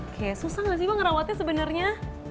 oke susah nggak sih bang ngerawatnya sebenarnya